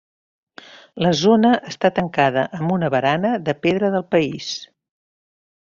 La zona està tancada amb una barana de pedra del país.